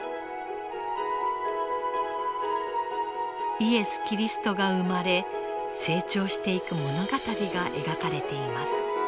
イエス・キリストが生まれ成長していく物語が描かれています。